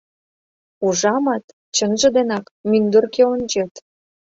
— Ужамат, чынже денак, мӱндыркӧ ончет.